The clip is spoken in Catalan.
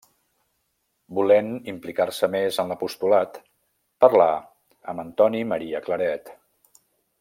Volent implicar-se més en l'apostolat, parlà amb Antoni Maria Claret.